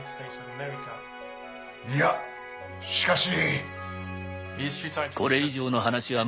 いやしかし。